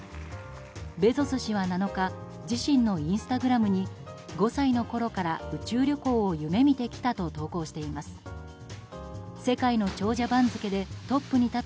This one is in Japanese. ベゾス氏は７日自身のインスタグラムに５歳のころから宇宙旅行を夢見てきたと投稿しています。